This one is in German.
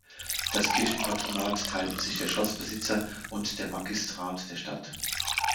Das Kirchenpatronat teilten sich der Schlossbesitzer und der Magistrat der Stadt.